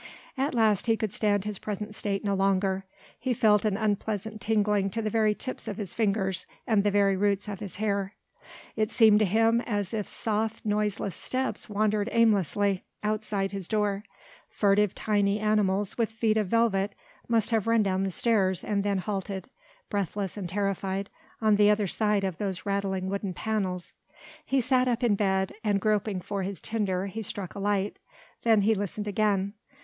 At last he could stand his present state no longer, he felt an unpleasant tingling to the very tips of his fingers and the very roots of his hair; it seemed to him as if soft noiseless steps wandered aimlessly outside his door; furtive tiny animals with feet of velvet must have run down the stairs and then halted, breathless and terrified, on the other side of those rattling wooden panels. He sat up in bed and groping for his tinder he struck a light; then he listened again.